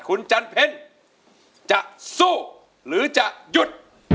คุณจันเพชรจะสู้หรือจะหยุด